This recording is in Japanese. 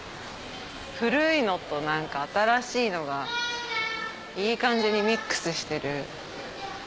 古いのと新しいのがいい感じにミックスしてる。